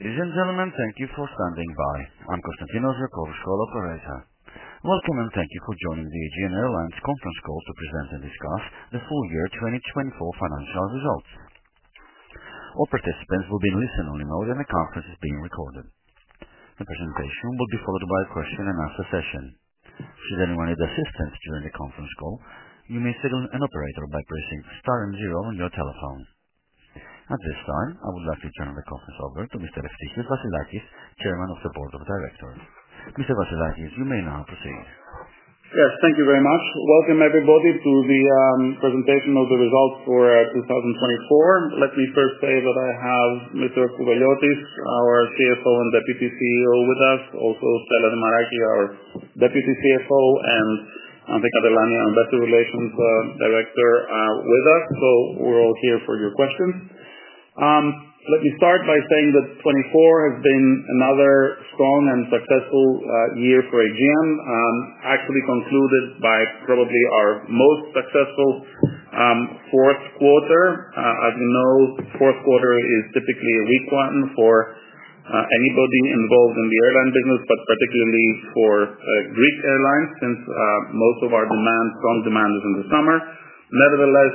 Ladies and gentlemen, thank you for standing by. I'm Konstantinos Iakovidis, call operator. Welcome and thank you for joining the Aegean Airlines conference call to present and discuss the full year 2024 financial results. All participants will be in listen-only mode, and the conference is being recorded. The presentation will be followed by a question-and-answer session. Should anyone need assistance during the conference call, you may signal an operator by pressing star and zero on your telephone. At this time, I would like to turn the conference over to Mr. Eftichios Vassilakis, Chairman of the Board of Directors. Mr. Vassilakis, you may now proceed. Yes, thank you very much. Welcome, everybody, to the presentation of the results for 2024. Let me first say that I have Mr. Kouveliotis, our CFO and Deputy CEO, with us. Also, Styliani Dimaraki is our Deputy CFO and the Investor Relations Director with us. We are all here for your questions. Let me start by saying that 2024 has been another strong and successful year for Aegean, actually concluded by probably our most successful fourth quarter. As you know, the fourth quarter is typically a weak one for anybody involved in the airline business, but particularly for Greek airlines, since most of our strong demand is in the summer. Nevertheless,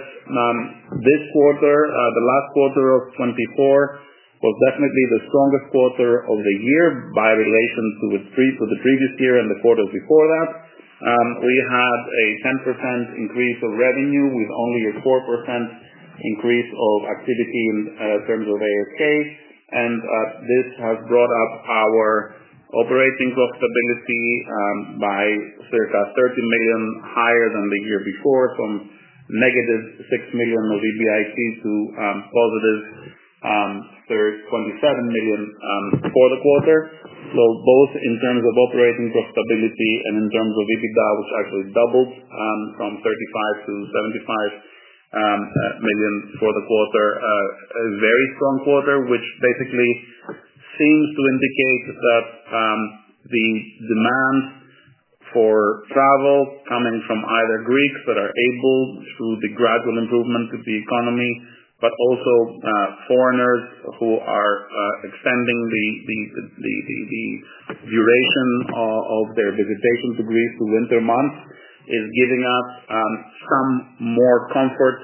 this quarter, the last quarter of 2024, was definitely the strongest quarter of the year by relation to the previous year and the quarters before that. We had a 10% increase of revenue with only a 4% increase of activity in terms of ASK. This has brought up our operating profitability by circa 30 million higher than the year before, from negative 6 million of EBIT to positive 27 million for the quarter. Both in terms of operating profitability and in terms of EBITDA, which actually doubled from 35 million to 75 million for the quarter, a very strong quarter, which basically seems to indicate that the demand for travel coming from either Greeks that are able through the gradual improvement of the economy, but also foreigners who are extending the duration of their visitation to Greece to winter months, is giving us some more comfort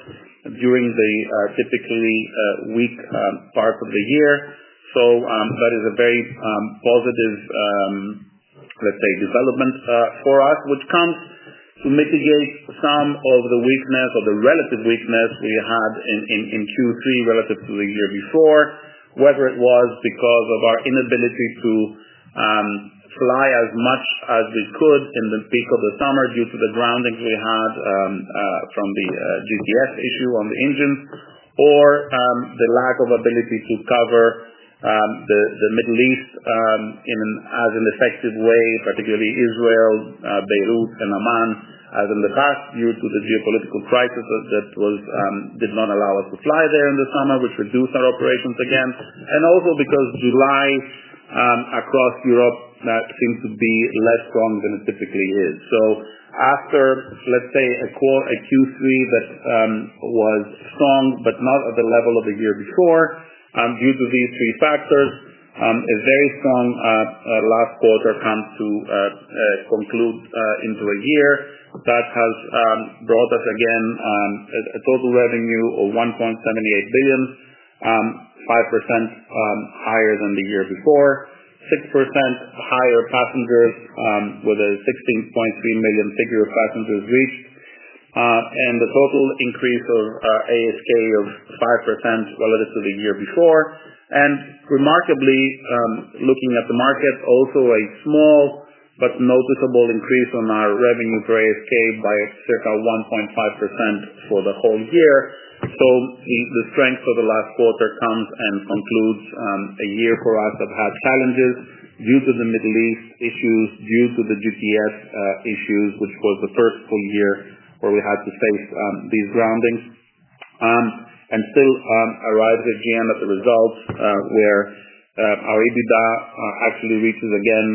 during the typically weak part of the year. That is a very positive, let's say, development for us, which comes to mitigate some of the weakness or the relative weakness we had in Q3 relative to the year before, whether it was because of our inability to fly as much as we could in the peak of the summer due to the groundings we had from the GTF issue on the engines, or the lack of ability to cover the Middle East in an effective way, particularly Israel, Beirut, and Amman, as in the past, due to the geopolitical crisis that did not allow us to fly there in the summer, which reduced our operations again, and also because July across Europe seemed to be less strong than it typically is. After, let's say, a Q3 that was strong but not at the level of the year before, due to these three factors, a very strong last quarter comes to conclude into a year that has brought us again a total revenue of 1.78 billion, 5% higher than the year before, 6% higher passengers with a 16.3 million figure of passengers reached, and a total increase of ASK of 5% relative to the year before. Remarkably, looking at the market, also a small but noticeable increase in our revenue per ASK by circa 1.5% for the whole year. The strength of the last quarter comes and concludes a year for us that had challenges due to the Middle East issues, due to the GTF issues, which was the first full year where we had to face these groundings, and still arrived at the end of the results where our EBITDA actually reaches again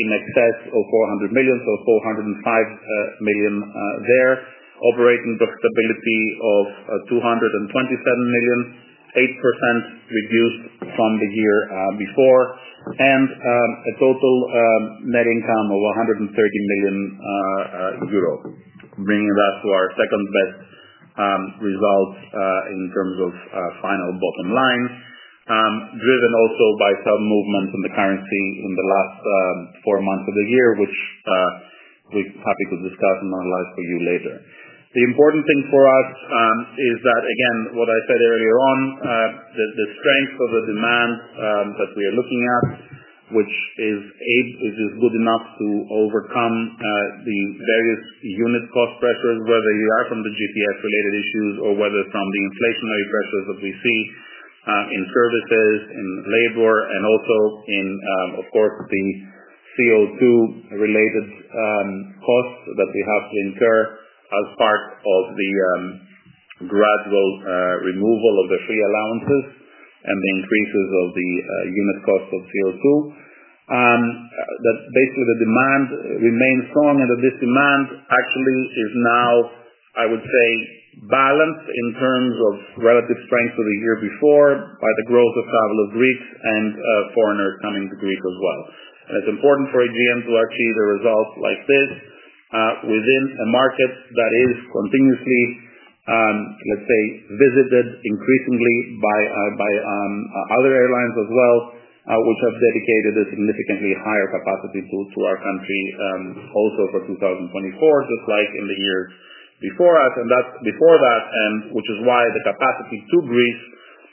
in excess of 400 million, so 405 million there, operating profitability of 227 million, 8% reduced from the year before, and a total net income of 130 million euro, bringing that to our second best result in terms of final bottom line, driven also by some movements in the currency in the last four months of the year, which we are happy to discuss and analyze for you later. The important thing for us is that, again, what I said earlier on, the strength of the demand that we are looking at, which is good enough to overcome the various unit cost pressures, whether you are from the GTF-related issues or whether from the inflationary pressures that we see in services, in labor, and also in, of course, the CO2-related costs that we have to incur as part of the gradual removal of the free allowances and the increases of the unit cost of CO2, that basically the demand remains strong and that this demand actually is now, I would say, balanced in terms of relative strength to the year before by the growth of travel of Greeks and foreigners coming to Greece as well. It is important for Aegean to achieve a result like this within a market that is continuously, let's say, visited increasingly by other airlines as well, which have dedicated a significantly higher capacity to our country also for 2024, just like in the years before us, and before that, which is why the capacity to Greece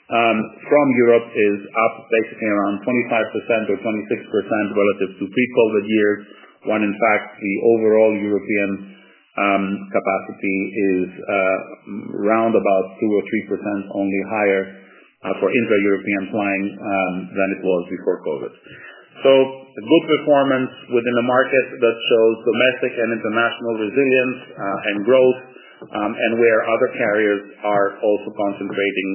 from Europe is up basically around 25% or 26% relative to pre-COVID years, when, in fact, the overall European capacity is around about 2% or 3% only higher for intra-European flying than it was before COVID. Good performance within the market shows domestic and international resilience and growth, and other carriers are also concentrating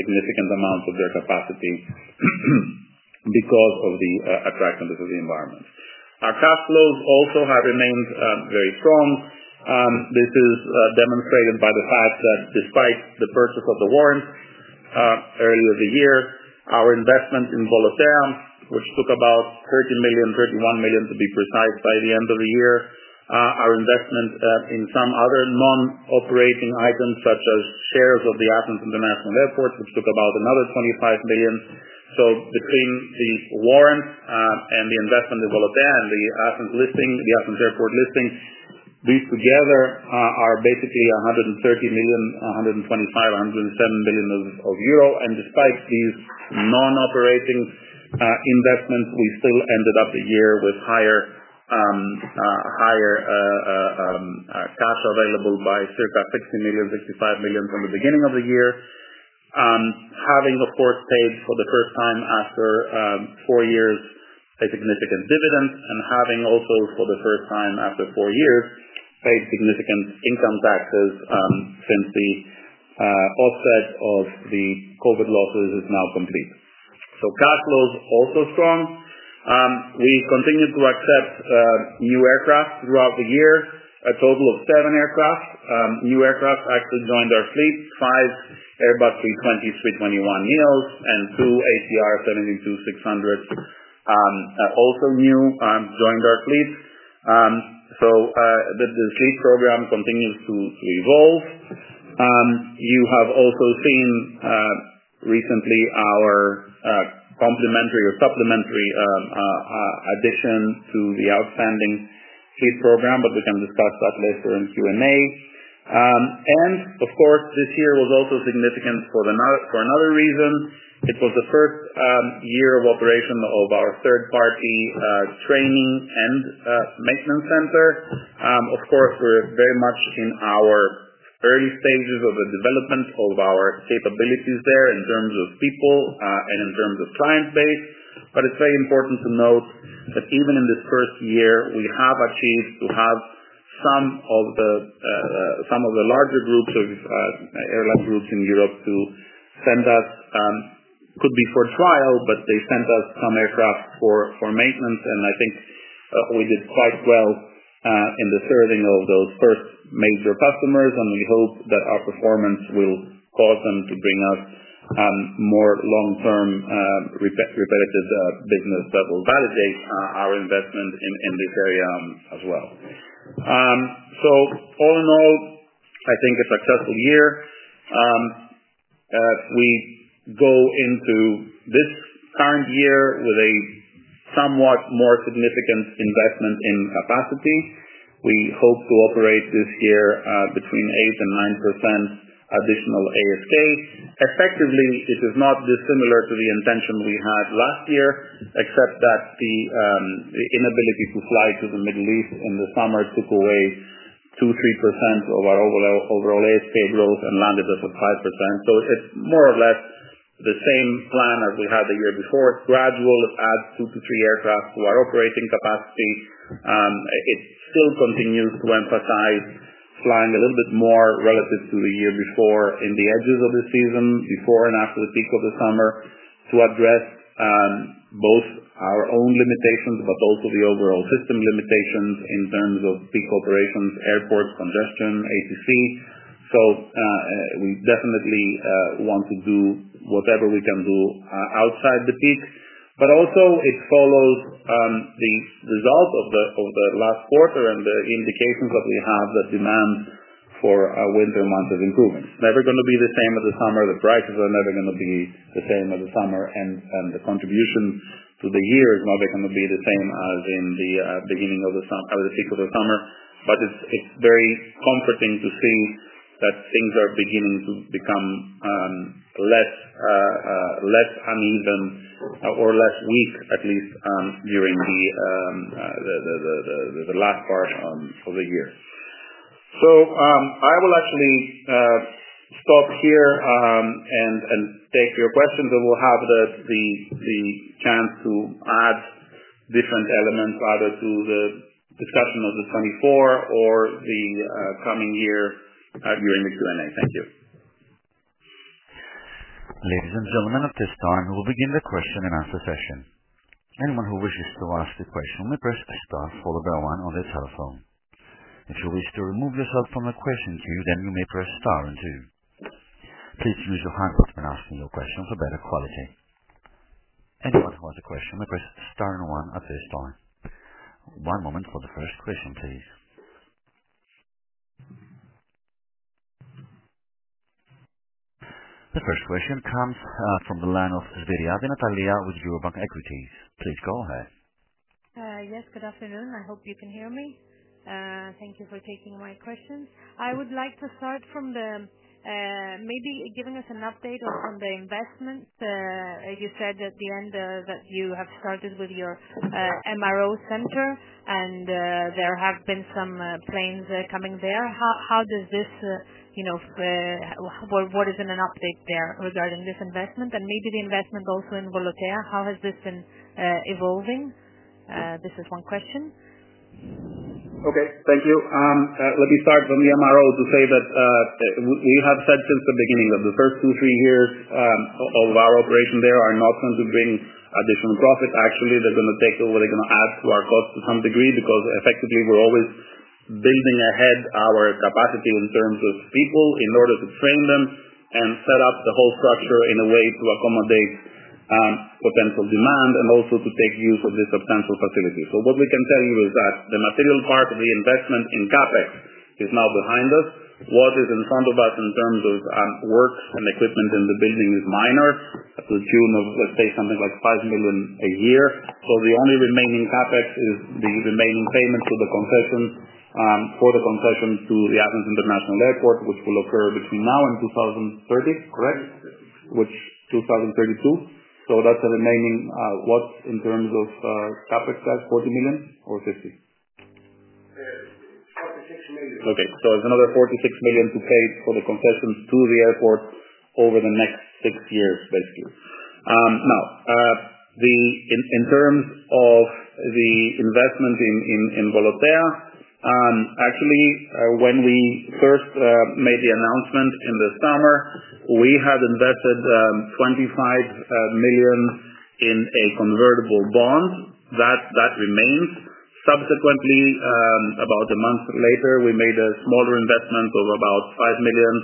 significant amounts of their capacity because of the attractiveness of the environment. Our cash flows also have remained very strong. This is demonstrated by the fact that despite the purchase of the warrant earlier this year, our investment in Volotea, which took about 30 million, 31 million to be precise by the end of the year, our investment in some other non-operating items such as shares of the Athens International Airport, which took about another 25 million. Between the warrant and the investment in Volotea and the Athens airport listing, these together are basically 130 million, 125 million, 107 million euro. Despite these non-operating investments, we still ended up the year with higher cash available by circa 60 million-65 million from the beginning of the year, having, of course, paid for the first time after four years a significant dividend and having also for the first time after four years paid significant income taxes since the offset of the COVID losses is now complete. Cash flows also strong. We continue to accept new aircraft throughout the year, a total of seven new aircraft actually joined our fleet: five Airbus A320s, A321neos, and two ATR 72-600s, also new, joined our fleet. The fleet program continues to evolve. You have also seen recently our complementary or supplementary addition to the outstanding fleet program, but we can discuss that later in Q&A. Of course, this year was also significant for another reason. It was the first year of operation of our third-party training and maintenance center. Of course, we're very much in our early stages of the development of our capabilities there in terms of people and in terms of client base. It is very important to note that even in this first year, we have achieved to have some of the larger groups of airline groups in Europe send us—could be for trial—but they sent us some aircraft for maintenance. I think we did quite well in the serving of those first major customers, and we hope that our performance will cause them to bring us more long-term repetitive business that will validate our investment in this area as well. All in all, I think it is a successful year. We go into this current year with a somewhat more significant investment in capacity. We hope to operate this year between 8% and 9% additional ASK. Effectively, it is not dissimilar to the intention we had last year, except that the inability to fly to the Middle East in the summer took away 2-3% of our overall ASK growth and landed us at 5%. It is more or less the same plan as we had the year before. It is gradual. It adds two to three aircraft to our operating capacity. It still continues to emphasize flying a little bit more relative to the year before in the edges of the season, before and after the peak of the summer, to address both our own limitations but also the overall system limitations in terms of peak operations, airport congestion, ATC. We definitely want to do whatever we can do outside the peak. But also, it follows the result of the last quarter and the indications that we have that demand for winter months is improving. It is never going to be the same as the summer. The prices are never going to be the same as the summer, and the contribution to the year is not going to be the same as in the beginning of the peak of the summer. It is very comforting to see that things are beginning to become less uneven or less weak, at least during the last part of the year. I will actually stop here and take your questions, and we will have the chance to add different elements either to the discussion of the 2024 or the coming year during the Q&A. Thank you. Ladies and gentlemen, at this time, we will begin the question and answer session. Anyone who wishes to ask a question may press star followed by one on their telephone. If you wish to remove yourself from the question queue, then you may press star and two. Please use your hand when asking your question for better quality. Anyone who has a question may press star and one at this time. One moment for the first question, please. The first question comes from the line of Natalia Svyriadi with Eurobank Equities. Please go ahead. Yes, good afternoon. I hope you can hear me. Thank you for taking my questions. I would like to start from maybe giving us an update on the investment. You said at the end that you have started with your MRO center, and there have been some planes coming there. How does this—what is an update there regarding this investment? Maybe the investment also in Volotea, how has this been evolving? This is one question. Okay. Thank you. Let me start from the MRO to say that we have said since the beginning that the first two, three years of our operation there are not going to bring additional profit. Actually, they're going to take over. They're going to add to our cost to some degree because effectively we're always building ahead our capacity in terms of people in order to train them and set up the whole structure in a way to accommodate potential demand and also to take use of this substantial facility. What we can tell you is that the material part of the investment in CAPEX is now behind us. What is in front of us in terms of work and equipment in the building is minor. That's a tune of, let's say, something like 5 million a year. The only remaining CAPEX is the remaining payment for the concession to the Athens International Airport, which will occur between now and 2030, correct? Yes. Which 2032. That's the remaining—what in terms of CAPEX, that's 40 million or 50 million? 46 million. Okay. It's another 46 million to pay for the concessions to the airport over the next six years, basically. In terms of the investment in Volotea, actually, when we first made the announcement in the summer, we had invested 25 million in a convertible bond. That remains. Subsequently, about a month later, we made a smaller investment of about 5 million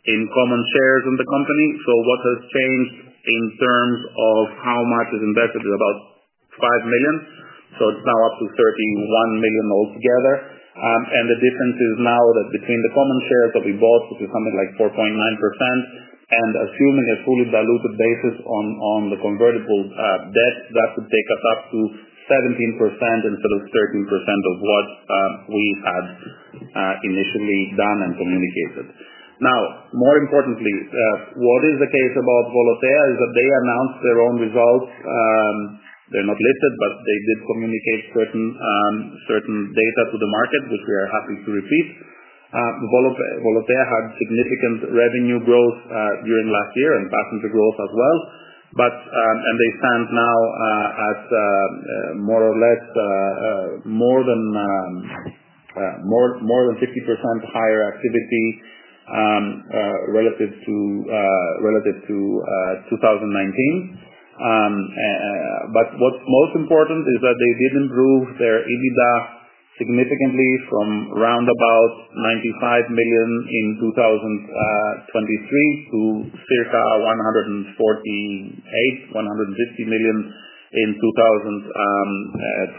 in common shares in the company. What has changed in terms of how much is invested is about 5 million. It's now up to 31 million altogether. The difference is now that between the common shares that we bought, which is something like 4.9%, and assuming a fully diluted basis on the convertible debt, that would take us up to 17% instead of 13% of what we had initially done and communicated. More importantly, what is the case about Volotea is that they announced their own results. They're not listed, but they did communicate certain data to the market, which we are happy to repeat. Volotea had significant revenue growth during last year and passenger growth as well. They stand now at more or less more than 50% higher activity relative to 2019. What's most important is that they did improve their EBITDA significantly from roundabout 95 million in 2023 to circa 148-150 million in 2024,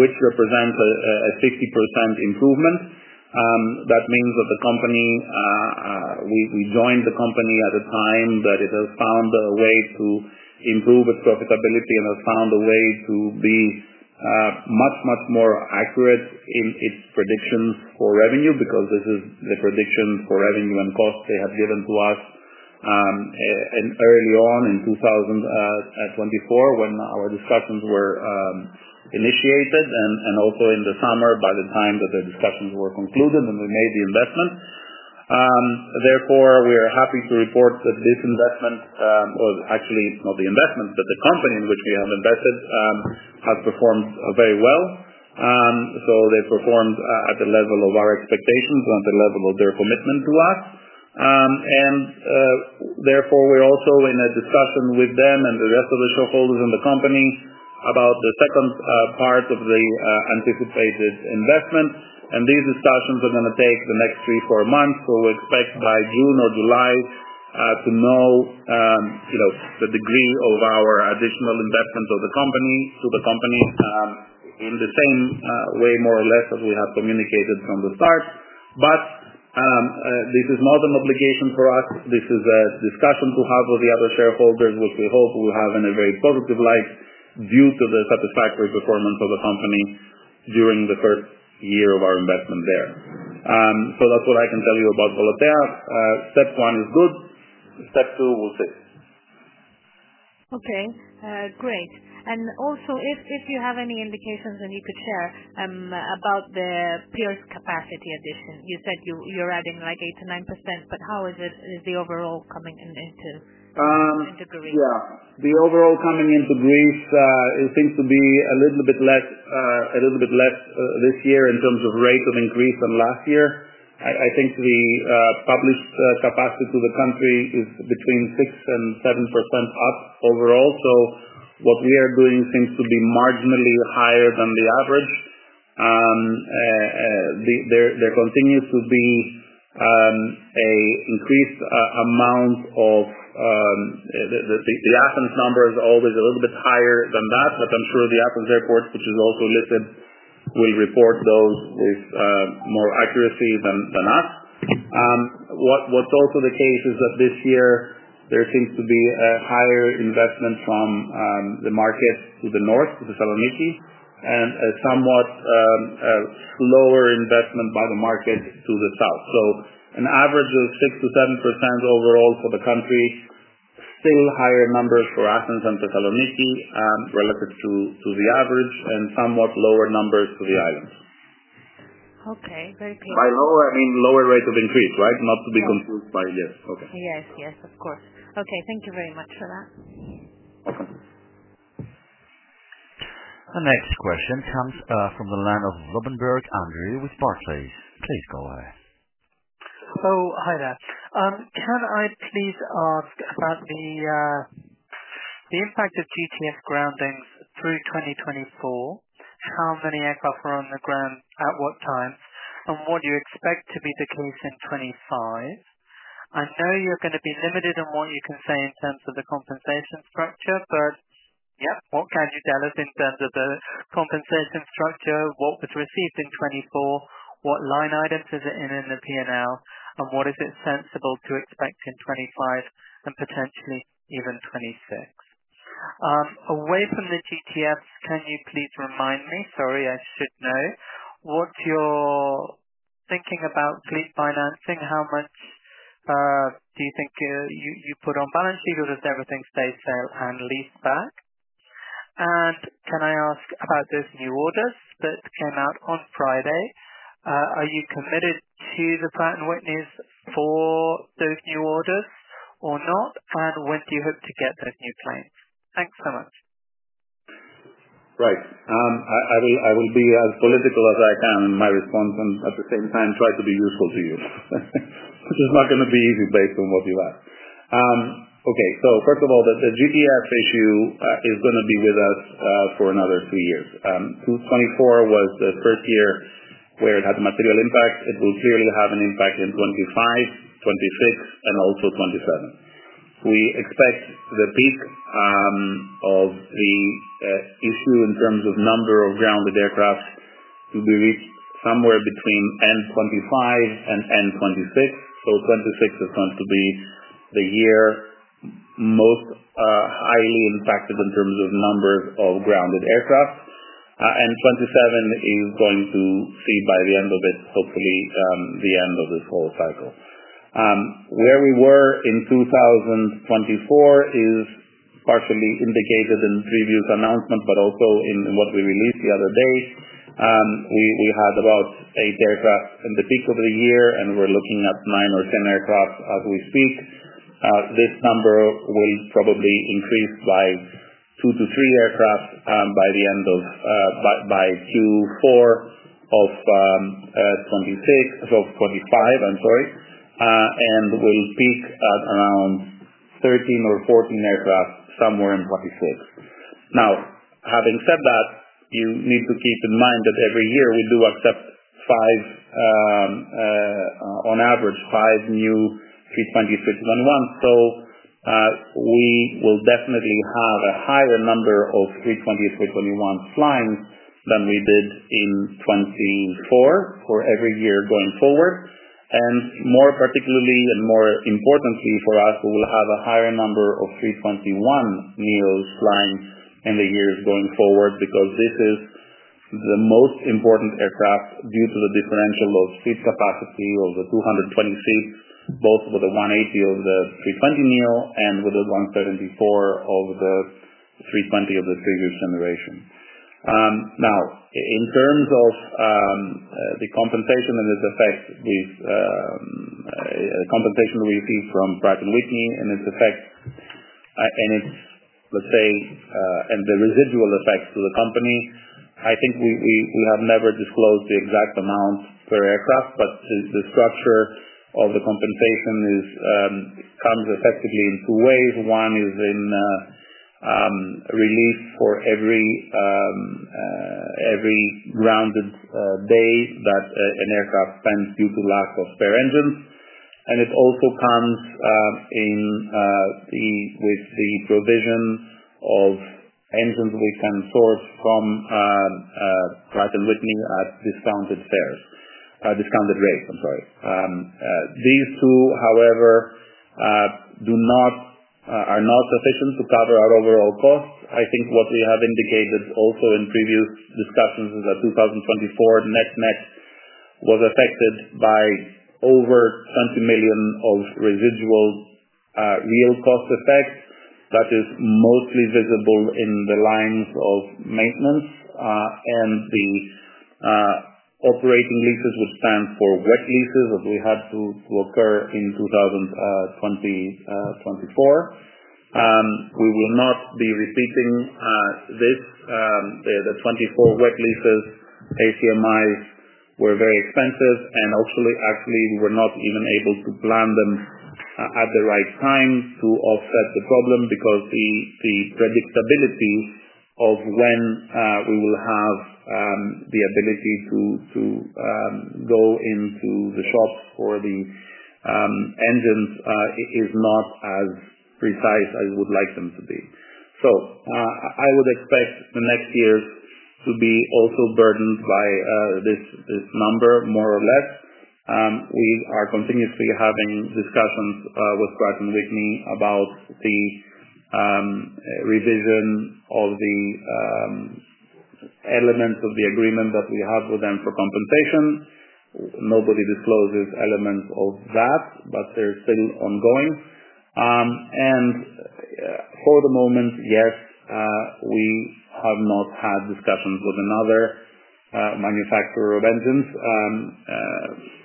which represents a 50% improvement. That means that the company—we joined the company at a time that it has found a way to improve its profitability and has found a way to be much, much more accurate in its predictions for revenue because this is the prediction for revenue and cost they had given to us early on in 2024 when our discussions were initiated and also in the summer by the time that the discussions were concluded and we made the investment. Therefore, we are happy to report that this investment—actually, not the investment, but the company in which we have invested has performed very well. They performed at the level of our expectations and at the level of their commitment to us. Therefore, we're also in a discussion with them and the rest of the shareholders in the company about the second part of the anticipated investment. These discussions are going to take the next three to four months. We expect by June or July to know the degree of our additional investment of the company to the company in the same way, more or less, as we have communicated from the start. This is not an obligation for us. This is a discussion to have with the other shareholders, which we hope we will have in a very positive light due to the satisfactory performance of the company during the first year of our investment there. That is what I can tell you about Volotea. Step one is good. Step two, we will see. Okay. Great. Also, if you have any indications and you could share about the pier's capacity addition, you said you are adding like 8%-9%, but how is the overall coming into Greece? Yeah. The overall coming into Greece, it seems to be a little bit less, a little bit less this year in terms of rate of increase than last year. I think the published capacity to the country is between 6% and 7% up overall. What we are doing seems to be marginally higher than the average. There continues to be an increased amount of the Athens number is always a little bit higher than that, but I am sure the Athens International Airport, which is also listed, will report those with more accuracy than us. What is also the case is that this year, there seems to be a higher investment from the market to the north, to Thessaloniki, and a somewhat slower investment by the market to the south. An average of 6-7% overall for the country, still higher numbers for Athens and Thessaloniki relative to the average, and somewhat lower numbers to the islands. Okay. Very clear. By lower, I mean lower rate of increase, right? Not to be confused by—yes. Okay. Yes. Yes, of course. Okay. Thank you very much for that. The next question comes from the line of Andrew Lobbenberg with Barclays. Please go ahead. Oh, hi there. Can I please ask about the impact of GTF groundings through 2024? How many aircraft were on the ground at what time, and what do you expect to be the case in 2025? I know you're going to be limited in what you can say in terms of the compensation structure, but yep, what can you tell us in terms of the compensation structure? What was received in 2024? What line items is it in the P&L, and what is it sensible to expect in 2025 and potentially even 2026? Away from the GTFs, can you please remind me—sorry, I should know—what you're thinking about fleet financing? How much do you think you put on balance sheet, or does everything stay sale and lease back? Can I ask about those new orders that came out on Friday? Are you committed to the Pratt & Whitney for those new orders or not? When do you hope to get those new planes? Thanks so much. Right. I will be as political as I can in my response and at the same time try to be useful to you, which is not going to be easy based on what you've asked. Okay. First of all, the GTF issue is going to be with us for another three years. 2024 was the first year where it had a material impact. It will clearly have an impact in 2025, 2026, and also 2027. We expect the peak of the issue in terms of number of grounded aircraft to be reached somewhere between end 2025 and end 2026. 2026 is going to be the year most highly impacted in terms of numbers of grounded aircraft, and 2027 is going to see, by the end of it, hopefully the end of this whole cycle. Where we were in 2024 is partially indicated in previous announcement, but also in what we released the other day. We had about eight aircraft at the peak of the year, and we're looking at nine or ten aircraft as we speak. This number will probably increase by two to three aircraft by the end of Q4 of 2025, I'm sorry, and will peak at around 13 or 14 aircraft somewhere in 2026. Now, having said that, you need to keep in mind that every year we do accept five on average, five new 320/321s. We will definitely have a higher number of 320/321s flying than we did in 2024 for every year going forward. More particularly and more importantly for us, we will have a higher number of 321neos flying in the years going forward because this is the most important aircraft due to the differential of seat capacity of the 220 seats, both with the 180 of the 320neo and with the 174 of the 320 of the previous generation. Now, in terms of the compensation and its effect, the compensation we received from Pratt & Whitney and its effect and its, let's say, and the residual effect to the company, I think we have never disclosed the exact amount per aircraft, but the structure of the compensation comes effectively in two ways. One is in relief for every grounded day that an aircraft spends due to lack of spare engines. It also comes with the provision of engines we can source from Pratt & Whitney at discounted rates, I'm sorry. These two, however, are not sufficient to cover our overall cost. I think what we have indicated also in previous discussions is that 2024 net-net was affected by over 20 million of residual real cost effect that is mostly visible in the lines of maintenance and the operating leases, which stand for wet leases that we had to occur in 2024. We will not be repeating this. The 2024 wet leases, ACMIs were very expensive, and actually, we were not even able to plan them at the right time to offset the problem because the predictability of when we will have the ability to go into the shops for the engines is not as precise as we would like them to be. I would expect the next years to be also burdened by this number, more or less. We are continuously having discussions with Pratt & Whitney about the revision of the elements of the agreement that we have with them for compensation. Nobody discloses elements of that, but they're still ongoing. For the moment, yes, we have not had discussions with another manufacturer of engines,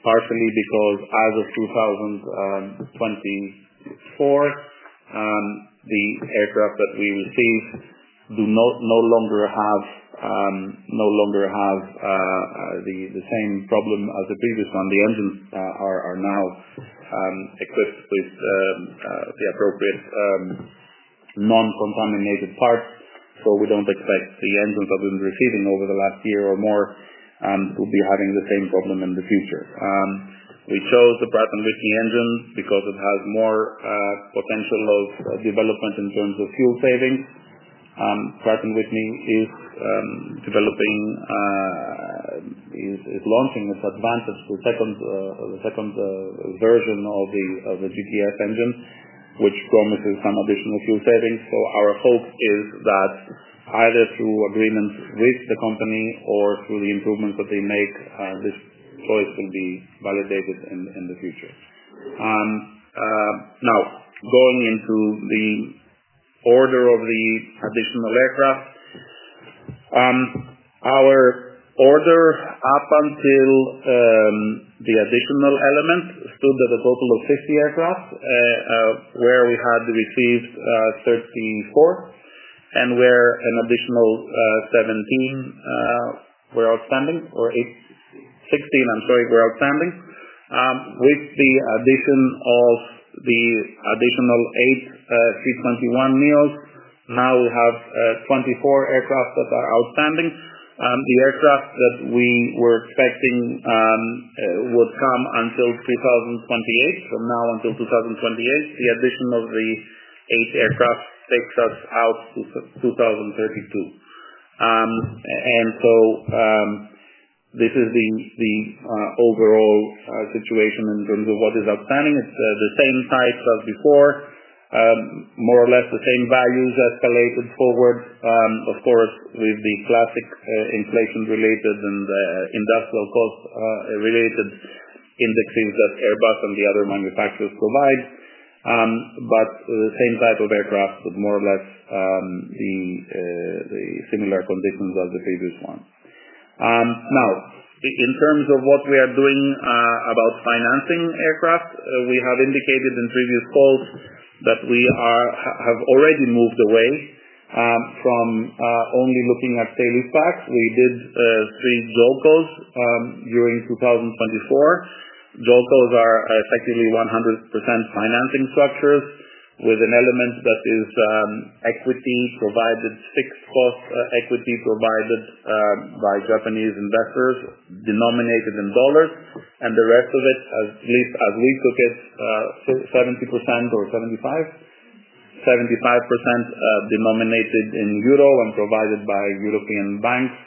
partially because as of 2024, the aircraft that we received do no longer have the same problem as the previous one. The engines are now equipped with the appropriate non-contaminated parts. We do not expect the engines that we've been receiving over the last year or more to be having the same problem in the future. We chose the Pratt & Whitney engine because it has more potential of development in terms of fuel savings. Pratt & Whitney is launching its advantage, the second version of the GTF engine, which promises some additional fuel savings. Our hope is that either through agreements with the company or through the improvements that they make, this choice will be validated in the future. Now, going into the order of the additional aircraft, our order up until the additional element stood at a total of 50 aircraft, where we had received 34, and where an additional 17 were outstanding, or 16, I'm sorry, were outstanding. With the addition of the additional eight 321neos, now we have 24 aircraft that are outstanding. The aircraft that we were expecting would come until 2028, from now until 2028. The addition of the eight aircraft takes us out to 2032. This is the overall situation in terms of what is outstanding. It's the same types as before, more or less the same values escalated forward, of course, with the classic inflation-related and industrial cost-related indexes that Airbus and the other manufacturers provide, but the same type of aircraft, but more or less the similar conditions as the previous one. Now, in terms of what we are doing about financing aircraft, we have indicated in previous calls that we have already moved away from only looking at sale-leasebacks. We did three JOLCOs during 2024. JOLCOs are effectively 100% financing structures with an element that is equity provided, fixed cost equity provided by Japanese investors denominated in dollars, and the rest of it, at least as we took it, 70% or 75% denominated in EUR and provided by European banks,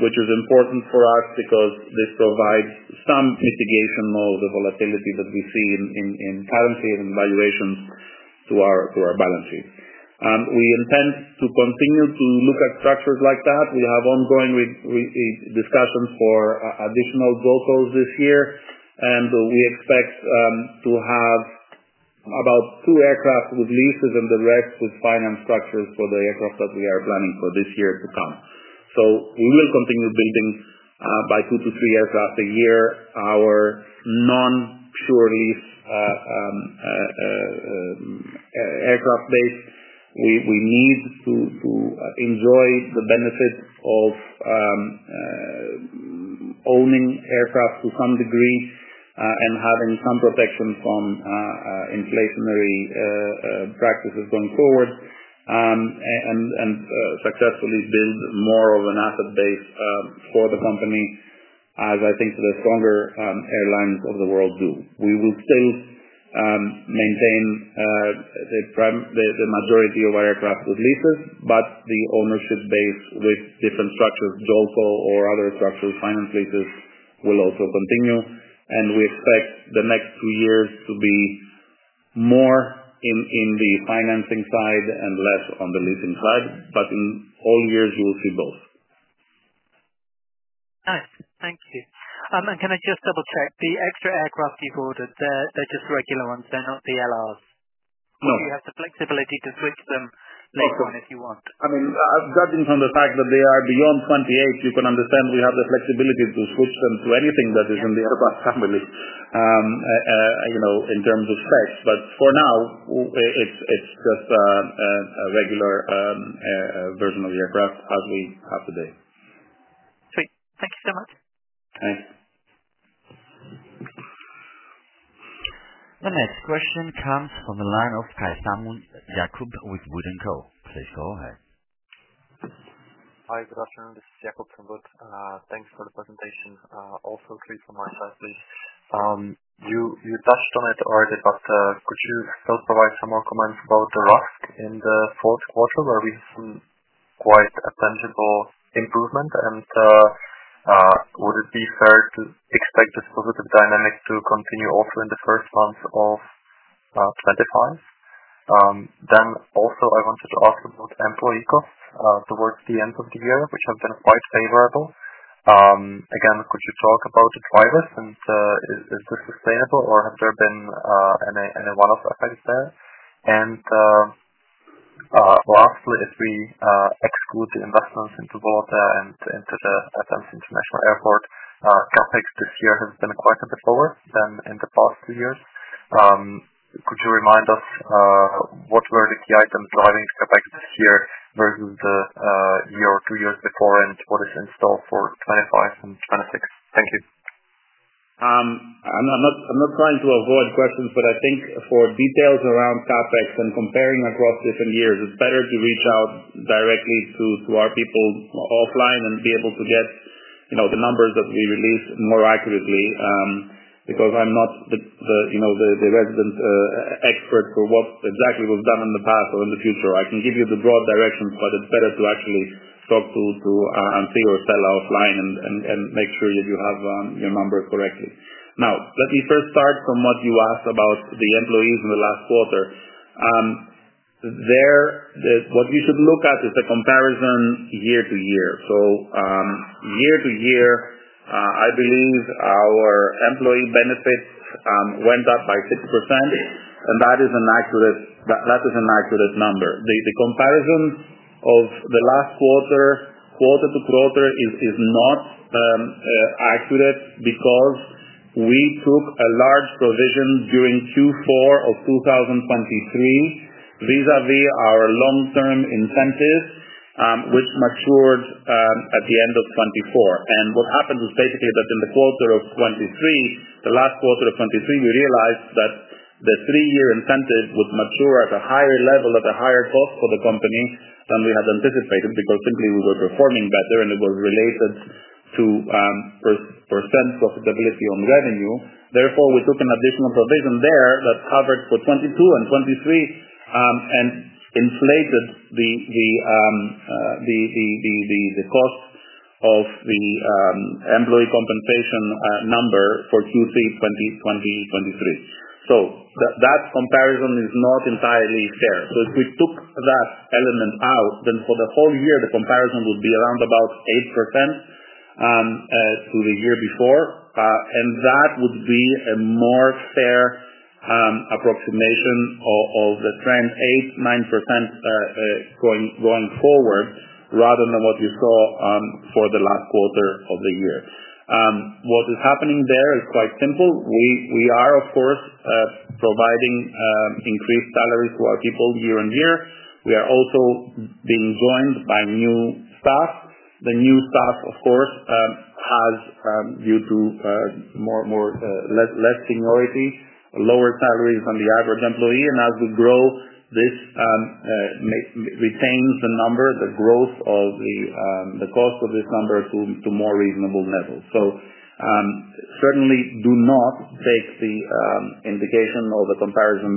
which is important for us because this provides some mitigation of the volatility that we see in currency and in valuations to our balance sheet. We intend to continue to look at structures like that. We have ongoing discussions for additional JOLCOs this year, and we expect to have about two aircraft with leases and the rest with finance structures for the aircraft that we are planning for this year to come. We will continue building by two to three years after a year our non-pure lease aircraft base. We need to enjoy the benefit of owning aircraft to some degree and having some protection from inflationary practices going forward and successfully build more of an asset base for the company, as I think the stronger airlines of the world do. We will still maintain the majority of our aircraft with leases, but the ownership base with different structures, JOLCO or other structures, finance leases, will also continue. We expect the next two years to be more in the financing side and less on the leasing side, but in all years, you will see both. Nice. Thank you. Can I just double-check? The extra aircraft you've ordered, they're just regular ones. They're not the LRs? No. Do you have the flexibility to switch them later on if you want? I mean, judging from the fact that they are beyond 2028, you can understand we have the flexibility to switch them to anything that is in the Airbus family in terms of specs. But for now, it's just a regular version of the aircraft as we have today. Sweet. Thank you so much. Thanks. The next question comes from the line of Jakub Caithaml with Wood & Co. Please go ahead. Hi, good afternoon. This is Jakub from Wood. Thanks for the presentation. Also, three from my side, please. You touched on it already, but could you still provide some more comments about the RASK in the fourth quarter, where we have some quite tangible improvement? And would it be fair to expect this positive dynamic to continue also in the first month of 2025? I wanted to ask about employee costs towards the end of the year, which have been quite favorable. Could you talk about the drivers, and is this sustainable, or have there been any one-off effects there? Lastly, if we exclude the investments into Volotea and into the Athens International Airport, CAPEX this year has been quite a bit lower than in the past two years. Could you remind us what were the key items driving CAPEX this year versus the year or two years before, and what is in store for 2025 and 2026? Thank you. I'm not trying to avoid questions, but I think for details around CAPEX and comparing across different years, it's better to reach out directly to our people offline and be able to get the numbers that we release more accurately because I'm not the resident expert for what exactly was done in the past or in the future. I can give you the broad directions, but it's better to actually talk to Andrea or Stella offline and make sure that you have your number correctly. Now, let me first start from what you asked about the employees in the last quarter. What you should look at is the comparison year to year. Year to year, I believe our employee benefits went up by 6%, and that is an accurate number. The comparison of the last quarter, quarter to quarter, is not accurate because we took a large provision during Q4 of 2023 vis-à-vis our long-term incentives, which matured at the end of 2024. What happened was basically that in the quarter of 2023, the last quarter of 2023, we realized that the three-year incentive would mature at a higher level, at a higher cost for the company than we had anticipated because simply we were performing better, and it was related to % profitability on revenue. Therefore, we took an additional provision there that covered for 2022 and 2023 and inflated the cost of the employee compensation number for Q3 2023. That comparison is not entirely fair. If we took that element out, then for the whole year, the comparison would be around about 8% to the year before. That would be a more fair approximation of the trend, 8%-9% going forward, rather than what you saw for the last quarter of the year. What is happening there is quite simple. We are, of course, providing increased salaries to our people year on year. We are also being joined by new staff. The new staff, of course, has, due to less seniority, lower salaries than the average employee. As we grow, this retains the number, the growth of the cost of this number, to more reasonable levels. Certainly do not take the indication or the comparison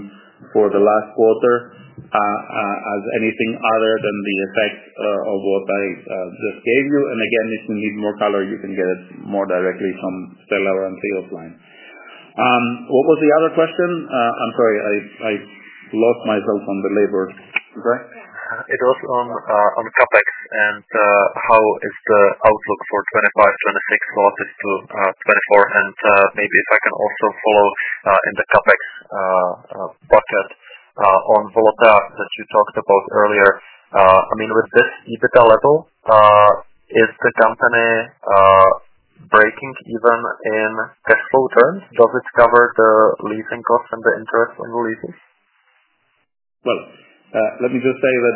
for the last quarter as anything other than the effect of what I just gave you. Again, if you need more color, you can get it more directly from Stella or Andrea offline. What was the other question? I'm sorry, I lost myself on the labor. I'm sorry? It was on CapEx and how is the outlook for 2025, 2026 relative to 2024? And maybe if I can also follow in the CapEx bucket on Volotea that you talked about earlier. I mean, with this EBITDA level, is the company breaking even in cash flow terms? Does it cover the leasing costs and the interest on the leases? Let me just say that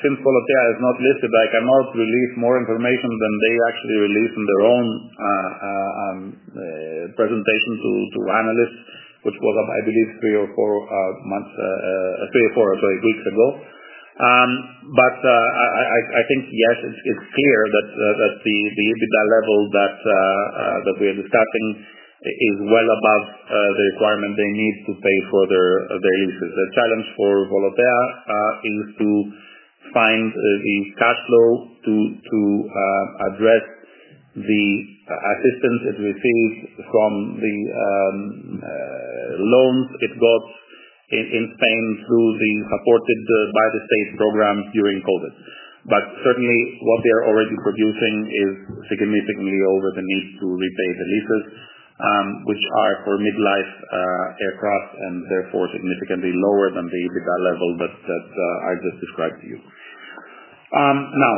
since Volotea is not listed, I cannot release more information than they actually released in their own presentation to analysts, which was, I believe, three or four weeks ago. I think, yes, it's clear that the EBITDA level that we are discussing is well above the requirement they need to pay for their leases. The challenge for Volotea is to find the cash flow to address the assistance it received from the loans it got in Spain through the supported by the state programs during COVID. Certainly, what they are already producing is significantly over the need to repay the leases, which are for mid-life aircraft and therefore significantly lower than the EBITDA level that I just described to you. Now,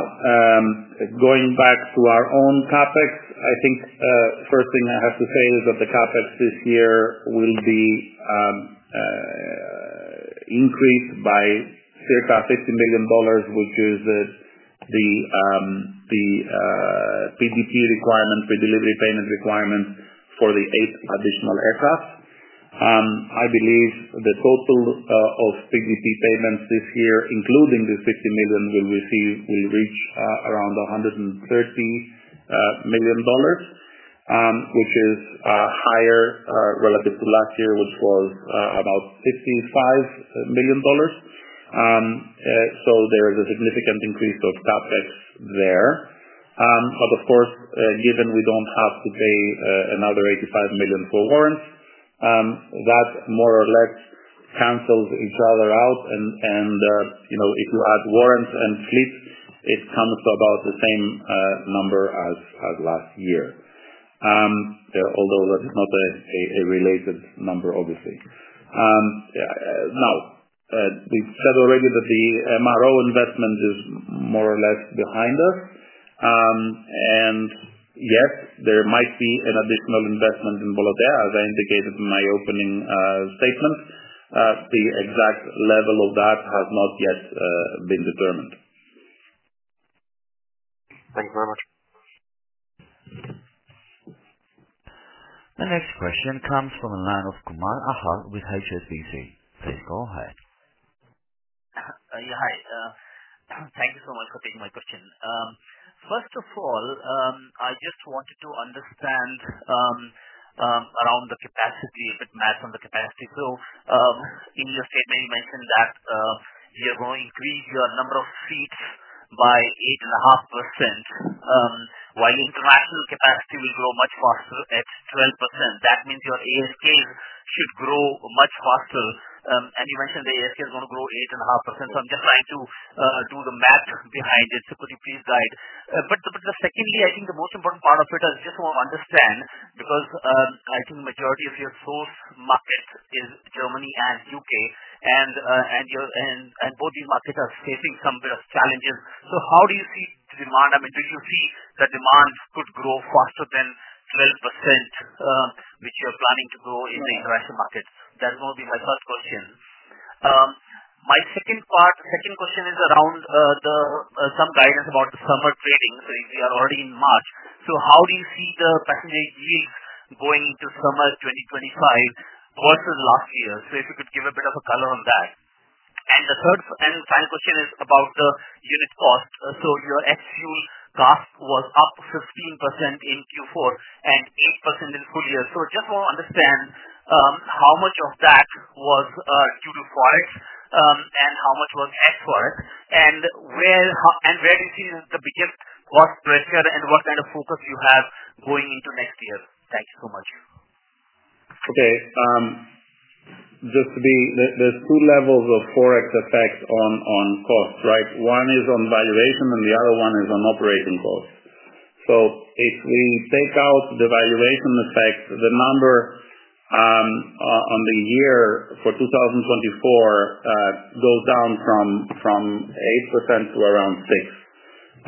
going back to our own CAPEX, I think the first thing I have to say is that the CAPEX this year will be increased by circa $50 million, which is the PDP requirement, pre-delivery payment requirement for the eight additional aircraft. I believe the total of PDP payments this year, including this $50 million, will reach around $130 million, which is higher relative to last year, which was about $55 million. There is a significant increase of CAPEX there. Of course, given we do not have to pay another $85 million for warrants, that more or less cancels each other out. If you add warrants and fleets, it comes to about the same number as last year, although that is not a related number, obviously. We said already that the MRO investment is more or less behind us. Yes, there might be an additional investment in Volotea, as I indicated in my opening statement. The exact level of that has not yet been determined. Thank you very much. The next question comes from the line of Achal Kumar with HSBC. Please go ahead. Hi. Thank you so much for taking my question. First of all, I just wanted to understand around the capacity, a bit math on the capacity. In your statement, you mentioned that you're going to increase your number of seats by 8.5%, while international capacity will grow much faster at 12%. That means your ASKs should grow much faster. You mentioned the ASK is going to grow 8.5%. I'm just trying to do the math behind it. Could you please guide? I think the most important part of it is just to understand because I think the majority of your source market is Germany and the U.K., and both these markets are facing some bit of challenges. How do you see the demand? I mean, do you see the demand could grow faster than 12%, which you're planning to grow in the international market? That's going to be my first question. My second question is around some guidance about the summer trading. We are already in March. How do you see the passenger yields going into summer 2025 versus last year? If you could give a bit of a color on that. The third and final question is about the unit cost. Your ex-fuel cost was up 15% in Q4 and 8% in full year. I just want to understand how much of that was due to Forex and how much was ex-Forex, and where do you see the biggest cost pressure and what kind of focus you have going into next year? Thank you so much. Okay. Just to be clear, there are two levels of Forex effects on cost, right? One is on valuation, and the other one is on operating cost. If we take out the valuation effect, the number on the year for 2024 goes down from 8% to around 6%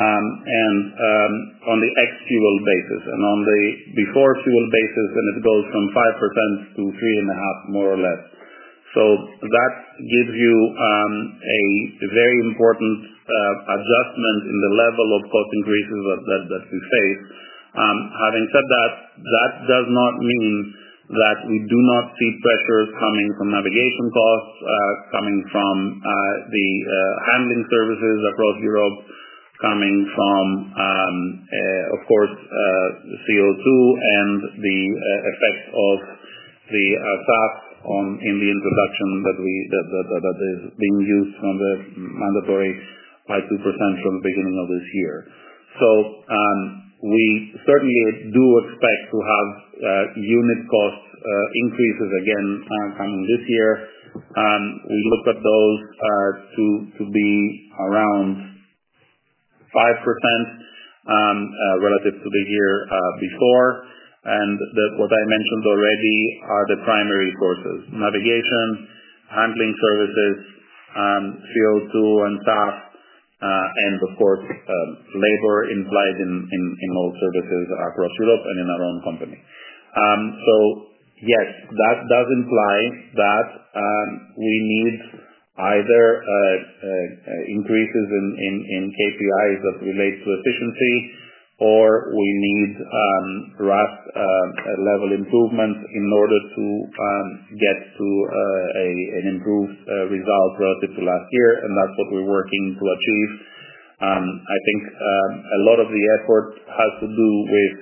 on the ex-fuel basis and on the before-fuel basis, and it goes from 5% to 3.5%, more or less. That gives you a very important adjustment in the level of cost increases that we face. Having said that, that does not mean that we do not see pressures coming from navigation costs, coming from the handling services across Europe, coming from, of course, CO2 and the effect of the SAF in the introduction that is being used from the mandatory 5% to 2% from the beginning of this year. We certainly do expect to have unit cost increases again coming this year. We look at those to be around 5% relative to the year before. What I mentioned already are the primary sources: navigation, handling services, CO2, and SAF, and of course, labor implied in all services across Europe and in our own company. Yes, that does imply that we need either increases in KPIs that relate to efficiency, or we need RASK level improvements in order to get to an improved result relative to last year. That is what we are working to achieve. I think a lot of the effort has to do with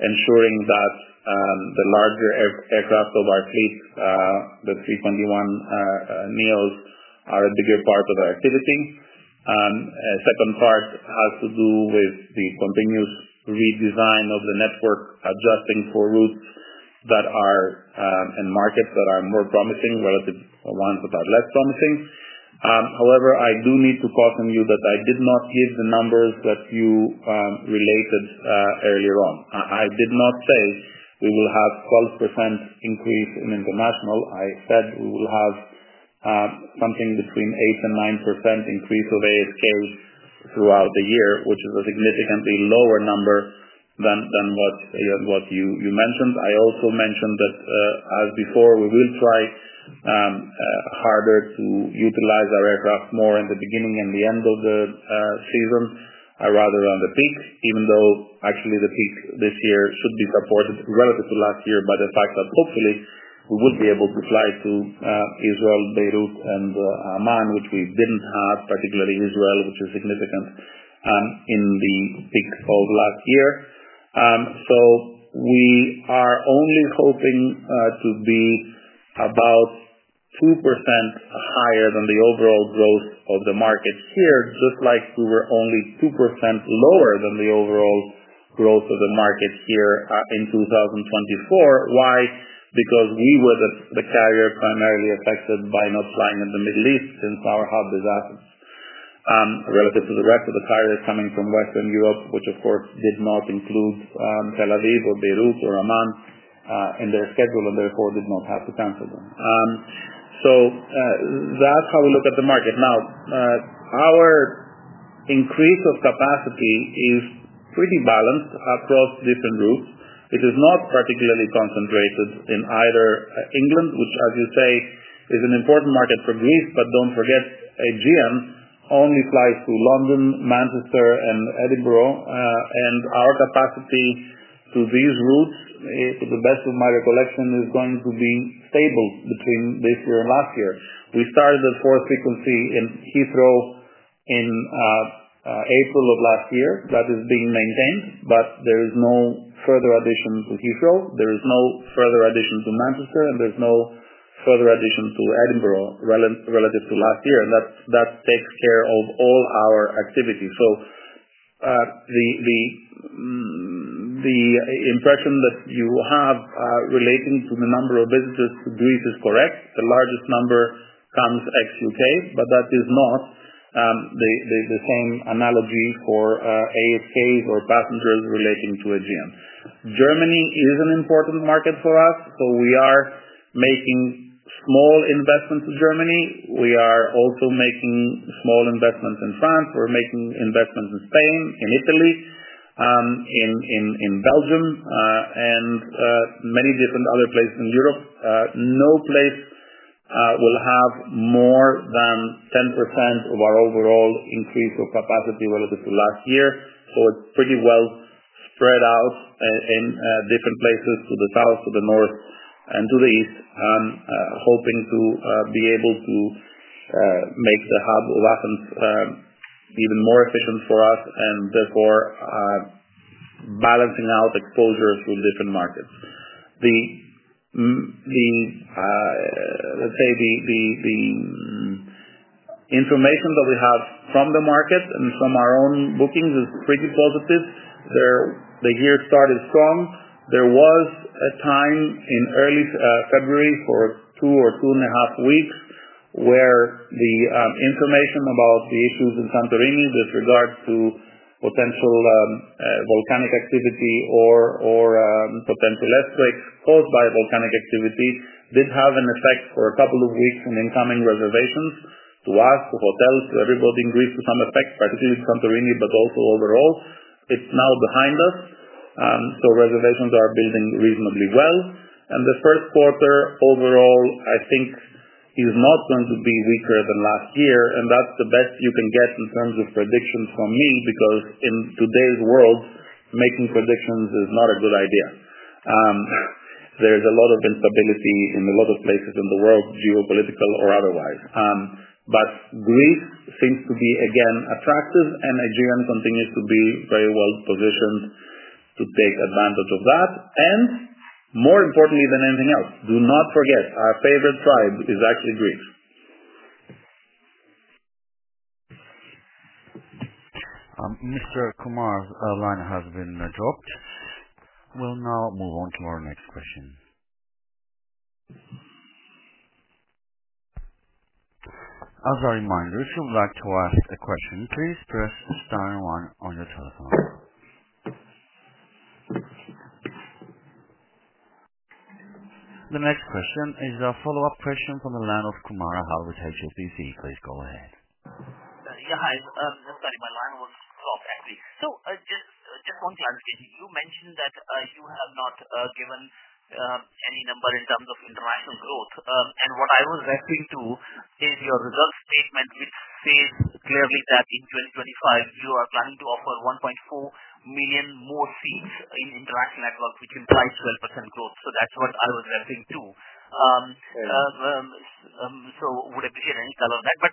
ensuring that the larger aircraft of our fleet, the A321neos, are a bigger part of our activity. The second part has to do with the continuous redesign of the network, adjusting for routes that are in markets that are more promising relative to ones that are less promising. However, I do need to caution you that I did not give the numbers that you related earlier on. I did not say we will have 12% increase in international. I said we will have something between 8-9% increase of ASK throughout the year, which is a significantly lower number than what you mentioned. I also mentioned that as before, we will try harder to utilize our aircraft more in the beginning and the end of the season rather than the peak, even though actually the peak this year should be supported relative to last year by the fact that hopefully we would be able to fly to Israel, Beirut, and Amman, which we did not have, particularly Israel, which is significant in the peak of last year. We are only hoping to be about 2% higher than the overall growth of the market here, just like we were only 2% lower than the overall growth of the market here in 2024. Why? Because we were the carrier primarily affected by not flying in the Middle East since our hub is Athens. Relative to the rest of the carriers coming from Western Europe, which of course did not include Tel Aviv or Beirut or Amman in their schedule and therefore did not have to cancel them. That is how we look at the market. Now, our increase of capacity is pretty balanced across different routes. It is not particularly concentrated in either England, which, as you say, is an important market for Greece, but do not forget, Aegean only flies to London, Manchester, and Edinburgh. And our capacity to these routes, to the best of my recollection, is going to be stable between this year and last year. We started at four frequency in Heathrow in April of last year. That is being maintained, but there is no further addition to Heathrow. There is no further addition to Manchester, and there is no further addition to Edinburgh relative to last year. That takes care of all our activity. The impression that you have relating to the number of visitors to Greece is correct. The largest number comes ex-U.K., but that is not the same analogy for ASKs or passengers relating to Aegean. Germany is an important market for us, so we are making small investments in Germany. We are also making small investments in France. We are making investments in Spain, in Italy, in Belgium, and many different other places in Europe. No place will have more than 10% of our overall increase of capacity relative to last year. It is pretty well spread out in different places to the south, to the north, and to the east, hoping to be able to make the hub of Athens even more efficient for us and therefore balancing out exposures through different markets. Let's say the information that we have from the market and from our own bookings is pretty positive. The year started strong. There was a time in early February for two or two and a half weeks where the information about the issues in Santorini with regard to potential volcanic activity or potential earthquakes caused by volcanic activity did have an effect for a couple of weeks on incoming reservations to us, to hotels, to everybody in Greece, to some effect, particularly Santorini, but also overall. It is now behind us. Reservations are building reasonably well. The first quarter overall, I think, is not going to be weaker than last year. That is the best you can get in terms of predictions from me because in today's world, making predictions is not a good idea. There is a lot of instability in a lot of places in the world, geopolitical or otherwise. Greece seems to be, again, attractive, and Aegean continues to be very well positioned to take advantage of that. More importantly than anything else, do not forget, our favorite tribe is actually Greece. Mr. Kumar's line has been dropped. We will now move on to our next question. As a reminder, if you would like to ask a question, please press star one on your telephone. The next question is a follow-up question from the line of Kumar Ahal with HSBC. Please go ahead. Yeah. Hi. I'm sorry. My line was dropped, actually. Just one clarification. You mentioned that you have not given any number in terms of international growth. What I was referring to is your results statement, which says clearly that in 2025, you are planning to offer 1.4 million more seats in the international network, which implies 12% growth. That is what I was referring to. I would appreciate any color on that. I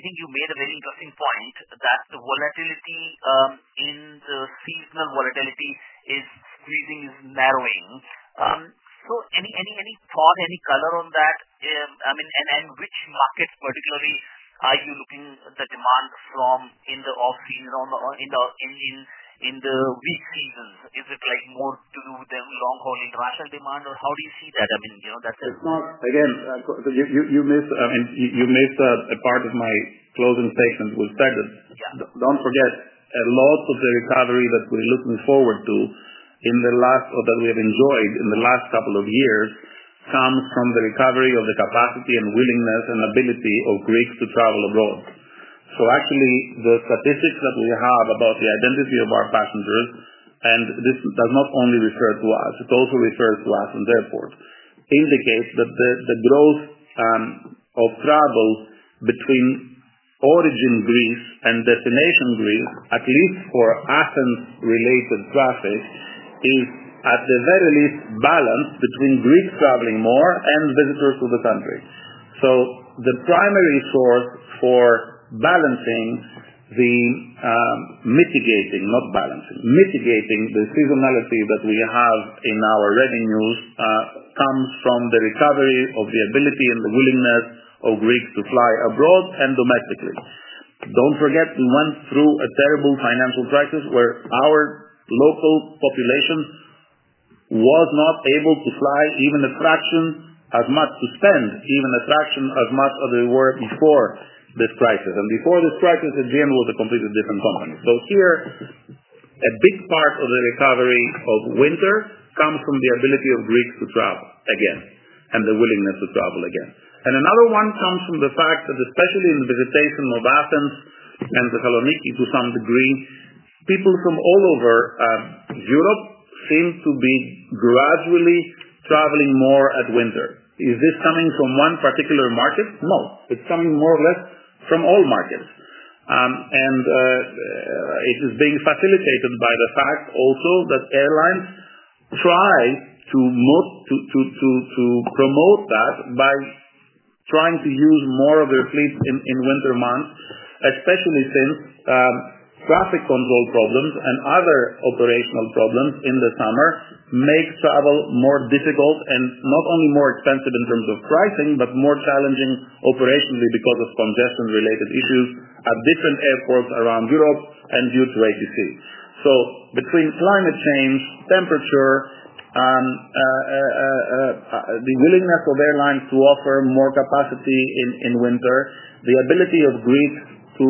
think you made a very interesting point that the volatility, the seasonal volatility, is squeezing, is narrowing. Any thought, any color on that? I mean, which markets particularly are you looking at the demand from in the off-season, in the weak seasons? Is it more to do with the long-haul international demand, or how do you see that? I mean, that is Again, you missed a part of my closing statement. We said that don't forget, a lot of the recovery that we're looking forward to in the last or that we have enjoyed in the last couple of years comes from the recovery of the capacity and willingness and ability of Greeks to travel abroad. Actually, the statistics that we have about the identity of our passengers—and this does not only refer to us, it also refers to us and the airport—indicates that the growth of travel between origin Greece and destination Greece, at least for Athens-related traffic, is at the very least balanced between Greeks traveling more and visitors to the country. The primary source for mitigating the seasonality that we have in our revenues comes from the recovery of the ability and the willingness of Greeks to fly abroad and domestically. Don't forget, we went through a terrible financial crisis where our local population was not able to fly even a fraction as much to spend, even a fraction as much as they were before this crisis. Before this crisis, Aegean was a completely different company. Here, a big part of the recovery of winter comes from the ability of Greeks to travel again and the willingness to travel again. Another one comes from the fact that especially in the visitation of Athens and Thessaloniki to some degree, people from all over Europe seem to be gradually traveling more at winter. Is this coming from one particular market? No. It's coming more or less from all markets. It is being facilitated by the fact also that airlines try to promote that by trying to use more of their fleets in winter months, especially since traffic control problems and other operational problems in the summer make travel more difficult and not only more expensive in terms of pricing, but more challenging operationally because of congestion-related issues at different airports around Europe and due to ATC. Between climate change, temperature, the willingness of airlines to offer more capacity in winter, the ability of Greeks to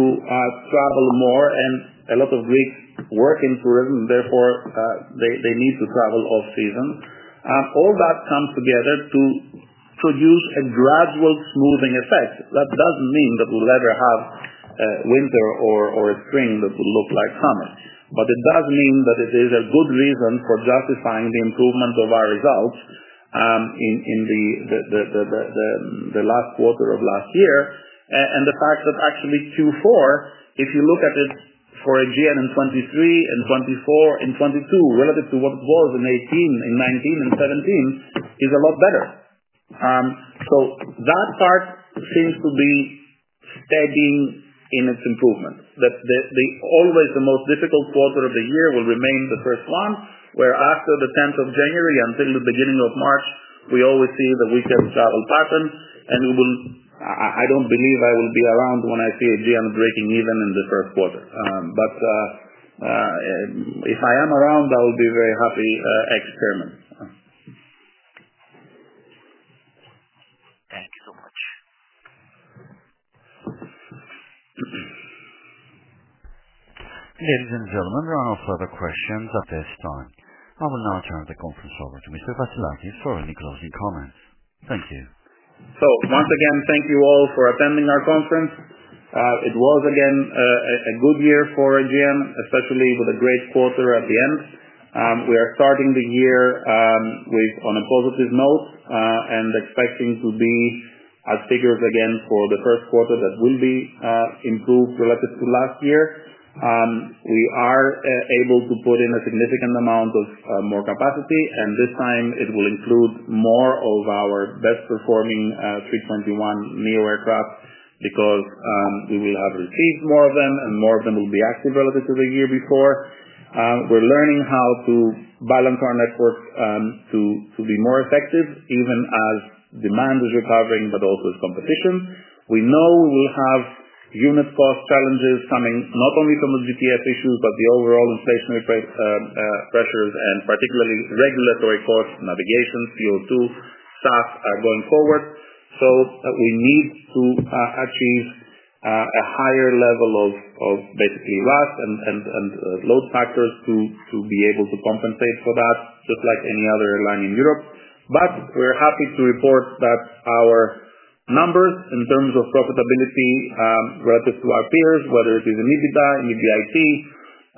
travel more, and a lot of Greeks work in tourism, therefore they need to travel off-season, all that comes together to produce a gradual smoothing effect. That does not mean that we will ever have winter or a spring that will look like summer. It does mean that it is a good reason for justifying the improvement of our results in the last quarter of last year. The fact that actually Q4, if you look at it for Aegean in 2023 and 2024 and 2022 relative to what it was in 2018, in 2019, and 2017, is a lot better. That part seems to be steadying in its improvement. Always the most difficult quarter of the year will remain the first one, where after the 10th of January until the beginning of March, we always see the weekend travel pattern. I do not believe I will be around when I see Aegean breaking even in the first quarter. If I am around, I will be very happy extremely. Thank you so much. Ladies and gentlemen, there are no further questions at this time. I will now turn the conference over to Mr. Vassilakis for any closing comments. Thank you. Once again, thank you all for attending our conference. It was, again, a good year for Aegean, especially with a great quarter at the end. We are starting the year on a positive note and expecting to be at figures again for the first quarter that will be improved relative to last year. We are able to put in a significant amount of more capacity. This time, it will include more of our best-performing 321neo aircraft because we will have received more of them, and more of them will be active relative to the year before. We are learning how to balance our network to be more effective even as demand is recovering, but also as competition. We know we will have unit cost challenges coming not only from the GTF issues, but the overall inflationary pressures and particularly regulatory costs, navigation, CO2, SAF going forward. We need to achieve a higher level of basically RASK and load factors to be able to compensate for that, just like any other airline in Europe. We are happy to report that our numbers in terms of profitability relative to our peers, whether it is EBITDA, EBIT,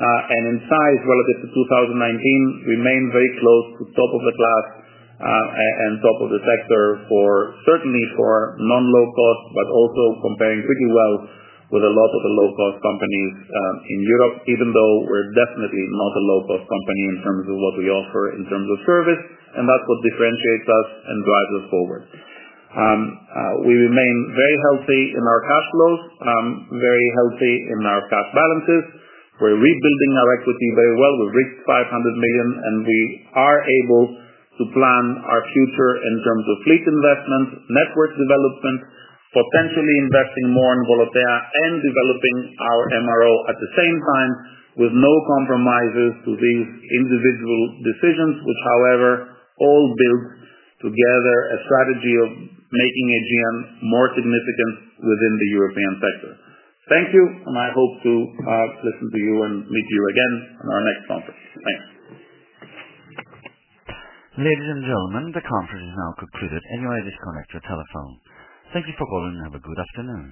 and in size relative to 2019, remain very close to top of the class and top of the sector, certainly for non-low cost, but also comparing pretty well with a lot of the low-cost companies in Europe, even though we are definitely not a low-cost company in terms of what we offer in terms of service. That is what differentiates us and drives us forward. We remain very healthy in our cash flows, very healthy in our cash balances. We're rebuilding our equity very well. We've reached 500 million, and we are able to plan our future in terms of fleet investment, network development, potentially investing more in Volotea and developing our MRO at the same time with no compromises to these individual decisions, which, however, all build together a strategy of making Aegean more significant within the European sector. Thank you, and I hope to listen to you and meet you again in our next conference. Thanks. Ladies and gentlemen, the conference is now concluded. Anyway, disconnect your telephone. Thank you for calling and have a good afternoon.